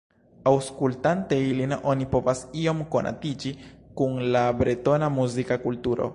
Aŭskultante ilin oni povas iom konatiĝi kun la bretona muzika kulturo.